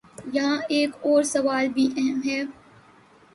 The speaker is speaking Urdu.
یہاں ایک اور سوال بھی اہم ہے۔